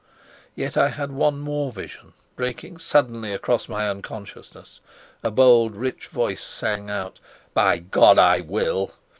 Yet I had one more vision, breaking suddenly across my unconsciousness. A bold, rich voice rang out, "By God, I will!"